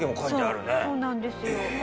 そうなんですよ。